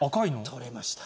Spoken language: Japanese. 取れました。